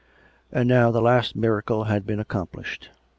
And now the last miracle had been accomplished.